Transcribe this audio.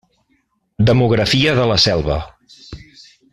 Demografia de La Selva.